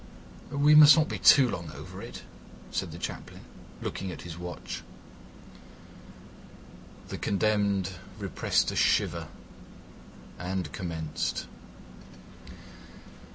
"We must not be too long over it," said the Chaplain, looking at his watch. The condemned repressed a shiver and commenced.